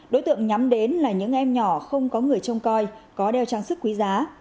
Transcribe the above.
đối tượng nhắm đến là những em nhỏ không có người trông coi có đeo trang sức quý giá